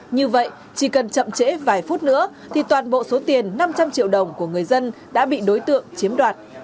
như vậy chỉ cần chậm trễ vài phút nữa thì toàn bộ số tiền năm trăm linh triệu đồng của người dân đã bị đối tượng chiếm đoạt